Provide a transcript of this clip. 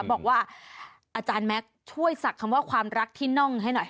บอกว่าอาจารย์แม็กซ์ช่วยศักดิ์คำว่าความรักที่น่องให้หน่อย